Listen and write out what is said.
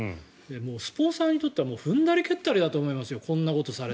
スポンサーにとっては踏んだり蹴ったりだと思います。